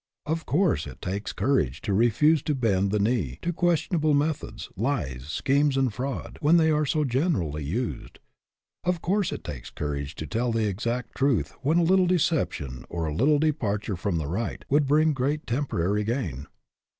Of course it takes courage to refuse to bend the knee to questionable methods, lies, schemes, and fraud, when they are so generally used. Of course it takes cour age to tell the exact truth when a little decep tion or a little departure from the right would bring great temporary gain.